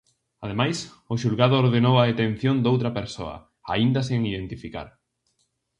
Ademais, o xulgado ordenou a detención doutra persoa, aínda sen identificar.